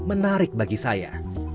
menarik bagi saya